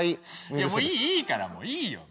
もういいからもういいよ。